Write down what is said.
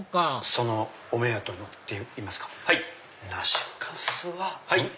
そのお目当てのっていいますか梨粕は？